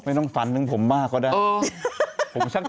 ไม่ต้องฝันนึงผมบ้าเขาแล้วก็ได้